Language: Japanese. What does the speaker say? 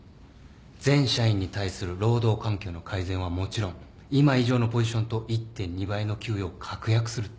全社員に対する労働環境の改善はもちろん今以上のポジションと１．２倍の給与を確約するって。